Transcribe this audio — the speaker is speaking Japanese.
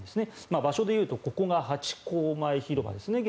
場所でいうと、ここが現在のハチ公前広場ですね。